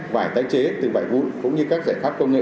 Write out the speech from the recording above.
vải tái chế từ vải vụn cũng như các giải pháp công nghệ